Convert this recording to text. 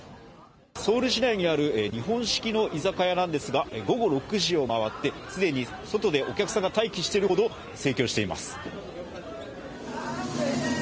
ソウル市内にある日本式の居酒屋なんですが午後６時を回って、既に外でお客さんが待機しているほど、盛況しています。